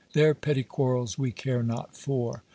Their petty quarrels we care not for.